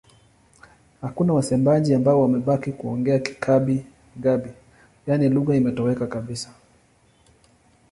Hakuna wasemaji ambao wamebaki kuongea Kigabi-Gabi, yaani lugha imetoweka kabisa.